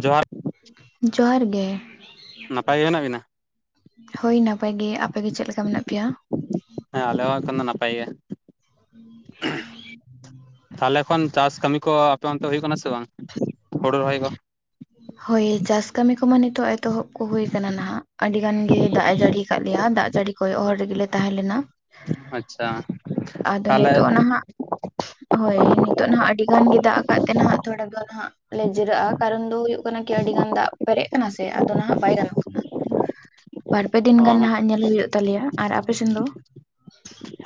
ᱡᱚᱦᱟᱨ ᱡᱚᱦᱟᱨ ᱜᱮ ᱱᱟᱯᱟᱭ ᱜᱮ ᱢᱮᱱᱟᱜ ᱵᱤᱱᱟ? ᱦᱳᱭ ᱱᱟᱯᱟᱭ ᱜᱮ ᱟᱯᱮ ᱜᱮ ᱪᱮᱫ ᱞᱮᱠᱟ ᱢᱮᱱᱟᱜ ᱯᱮᱭᱟ? ᱦᱮᱸ ᱟᱞᱮᱦᱣᱟ ᱠᱷᱚᱱ ᱫᱚ ᱱᱟᱯᱟᱭ ᱜᱮᱭᱟ᱾ [unintelligible] ᱛᱟᱦᱚᱞᱮ ᱠᱷᱚᱱ ᱪᱟᱥ ᱠᱟᱹᱢᱤ ᱠᱚ ᱟᱯᱮ ᱚᱱᱛᱮ ᱦᱩᱭᱩᱜ ᱠᱟᱱᱟ ᱥᱮ ᱵᱟᱝ ᱦᱩᱲᱩ ᱨᱚᱦᱚᱭ ᱠᱚ? ᱦᱳᱭ ᱪᱟᱥ ᱠᱟᱹᱢᱤ ᱠᱚᱢᱟ ᱱᱤᱛᱚᱜ ᱮᱛᱚᱦᱚᱵ ᱠᱚ ᱦᱩᱭ ᱟᱠᱟᱱᱟ ᱱᱟᱦᱟᱜ ᱟᱹᱰᱤ ᱜᱟᱱ ᱜᱮ ᱫᱟᱜ ᱮ ᱡᱟᱹᱲᱤ ᱟᱠᱟᱫ ᱞᱮᱭᱟ ᱫᱟᱜ ᱡᱟᱹᱲᱤ ᱠᱚᱭᱚᱜ ᱦᱚᱨ ᱨᱮᱜᱮ ᱛᱟᱦᱮᱸ ᱞᱮᱱᱟ ᱟᱪᱪᱷᱟ ᱟᱫᱚ ᱱᱤᱛᱚᱜ ᱛᱟᱦᱚᱞᱮ ᱱᱟᱦᱟᱜ ᱦᱳᱭ ᱱᱤᱛᱚᱜ ᱱᱟᱦᱟᱜ ᱟᱹᱰᱤ ᱜᱟᱱ ᱜᱮ ᱫᱟᱜ ᱟᱠᱟᱫ ᱛᱮ ᱱᱟᱦᱟᱜ ᱛᱷᱚᱲᱟ ᱜᱟᱱ ᱱᱟᱦᱟᱜ ᱞᱮ ᱡᱤᱨᱟᱹᱜᱼᱟ ᱠᱟᱨᱚᱱ ᱫᱚ ᱦᱩᱭᱩᱜ ᱠᱟᱱᱟ ᱠᱤ ᱟᱹᱰᱤ ᱜᱟᱱ ᱫᱟᱜ ᱯᱮᱨᱮᱡ ᱠᱟᱱᱟ ᱥᱮ ᱟᱫᱚ ᱱᱟᱦᱟᱜ ᱵᱟᱭ ᱜᱟᱱᱚᱜ ᱠᱟᱱᱟ᱾ ᱵᱟᱨ ᱯᱮ ᱫᱤᱱ ᱜᱟᱱ ᱚ ᱱᱟᱦᱟᱜ ᱧᱮᱞ ᱦᱩᱭᱩᱜ ᱛᱟᱞᱮᱭᱟ ᱟᱨ ᱟᱯᱮ ᱥᱮᱱ ᱫᱚ?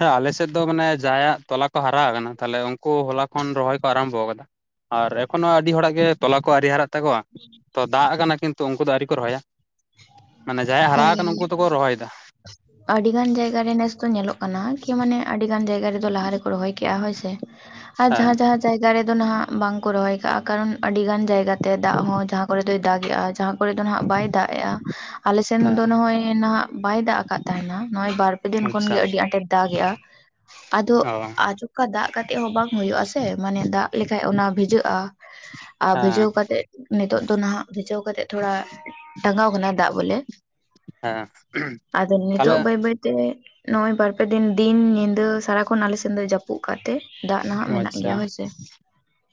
ᱦᱮᱸ ᱟᱞᱮ ᱥᱮᱫ ᱫᱚ ᱢᱟᱱᱮ ᱡᱟᱦᱟᱭᱟᱜ ᱛᱚᱞᱟ ᱠᱚ ᱦᱟᱨᱟ ᱟᱠᱟᱱᱟ ᱛᱟᱦᱚᱞᱮ ᱩᱱᱠᱩ ᱦᱚᱞᱟ ᱠᱷᱚᱱ ᱨᱚᱦᱚᱭ ᱠᱚ ᱟᱨᱟᱢᱵᱷᱚ ᱟᱠᱟᱫᱟ᱾ ᱟᱨ ᱮᱠᱷᱚᱱᱳ ᱟᱹᱰᱤ ᱦᱚᱲᱟᱜ ᱜᱮ ᱛᱚᱞᱟ ᱠᱚ ᱟᱹᱰᱤ ᱟᱨᱮ ᱦᱟᱨᱟᱜ ᱛᱟᱠᱚᱣᱟ ᱛᱚ ᱫᱟᱜ ᱟᱠᱟᱱᱟ ᱠᱤᱱᱛᱩ ᱩᱱᱠᱩ ᱫᱚ ᱟᱹᱣᱨᱤ ᱠᱚ ᱨᱚᱦᱚᱭ-ᱟ᱾ ᱢᱟᱱᱮ ᱡᱟᱦᱟᱸᱭ ᱦᱳᱭ ᱦᱟᱨᱟ ᱠᱟᱱᱟ ᱩᱱᱠᱩ ᱫᱚᱠᱚ ᱨᱚᱦᱚᱭ ᱮᱫᱟ᱾ [unintelligible] ᱟᱹᱰᱤ ᱜᱟᱱ ᱡᱟᱭᱜᱟ ᱨᱮ ᱱᱮᱥ ᱫᱚ ᱧᱮᱞᱚᱜ ᱠᱟᱱᱟ ᱠᱤ ᱢᱟᱱᱮ ᱟᱹᱰᱤ ᱜᱟᱱ ᱡᱟᱭᱜᱟ ᱨᱮᱫᱚ ᱞᱟᱦᱟ ᱨᱮᱠᱚ ᱨᱚᱦᱚᱭ ᱠᱮᱫᱼᱟ᱾ ᱦᱳᱭ ᱥᱮ ᱟᱨ ᱦᱮᱸ ᱡᱟᱦᱟᱸ ᱡᱟᱦᱟᱸ ᱡᱟᱭᱜᱟ ᱨᱮᱫᱚ ᱱᱟᱦᱟᱜ ᱵᱟᱝ ᱠᱚ ᱨᱚᱦᱚᱭ ᱠᱟᱜᱼᱟ ᱠᱟᱨᱚᱱ ᱟᱹᱰᱤ ᱜᱟᱱ ᱡᱟᱭᱜᱟ ᱛᱮ ᱫᱟᱜ ᱦᱚᱸ ᱡᱟᱦᱟᱸ ᱠᱚᱨᱮ ᱫᱚᱭ ᱫᱟᱜᱮᱜᱼᱟ ᱡᱟᱦᱟᱸ ᱠᱚᱨᱮᱫ ᱫᱚ ᱱᱟᱦᱟᱜ ᱵᱟᱭ ᱫᱟᱜ ᱮᱼᱟᱜ ᱟᱞᱮᱥᱮᱱ ᱦᱮᱸ ᱫᱚ ᱱᱚᱜᱼᱚᱭ ᱱᱟᱦᱟᱜ ᱵᱟᱭ ᱫᱟᱜ ᱟᱠᱟᱫ ᱛᱟᱦᱮᱱᱟ ᱱᱚᱜᱼᱚᱭ ᱵᱟᱨ ᱯᱮ ᱫᱤᱱ ᱠᱷᱚᱱ ᱟᱪᱪᱷᱟ ᱜᱮ ᱟᱹᱰᱤ ᱟᱸᱴᱮᱨ ᱫᱟᱜᱮᱼᱟ᱾ ᱟᱫᱚ ᱚ ᱚᱡᱚᱠᱟ ᱫᱟᱜ ᱠᱟᱛᱮᱜ ᱦᱚᱸ ᱵᱟᱝ ᱦᱩᱭᱩᱜ ᱟᱥᱮ ᱢᱟᱱᱮ ᱫᱟᱜ ᱞᱮᱠᱷᱟᱡ ᱚᱱᱟ ᱵᱷᱤᱡᱟᱹᱜ-ᱟ᱾ ᱟᱨ ᱦᱮᱸ ᱵᱷᱤᱡᱟᱹᱣ ᱠᱟᱛᱮ ᱱᱤᱛᱚᱜ ᱫᱚ ᱱᱟᱦᱟᱜ ᱵᱷᱤᱡᱟᱹᱣ ᱠᱟᱛᱮ ᱛᱷᱚᱲᱟ ᱴᱟᱸᱜᱟᱣ ᱠᱟᱱᱟ ᱫᱟᱜ᱾ ᱵᱚᱞᱮ ᱦᱮᱸ ᱟᱫᱚ ᱛᱟᱦᱚᱞᱮ ᱱᱤᱛᱚᱜ ᱵᱟᱹᱭ ᱵᱟᱹᱭ ᱛᱮ ᱱᱚᱜ-ᱚᱭ ᱵᱟᱨᱯᱮ ᱫᱤᱱ ᱫᱤᱱ ᱧᱤᱫᱟᱹ ᱥᱟᱨᱟᱠᱷᱚᱱ ᱟᱞᱮᱥᱮᱫ ᱫᱚ ᱡᱟᱹᱯᱩᱫ ᱠᱟᱜᱛᱮ ᱫᱟᱜ ᱱᱟᱦᱟᱜ ᱢᱮᱱᱟᱜ ᱟᱪᱪᱷᱟ ᱜᱮᱭᱟ ᱦᱳᱭᱥᱮ